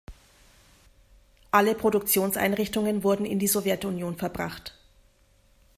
Alle Produktionseinrichtungen wurden in die Sowjetunion verbracht.